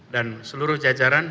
dan seluruh jajaran